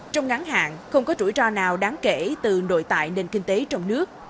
trong ngắn hạn không có rủi ro nào đáng kể từ nội tại nền kinh tế trong nước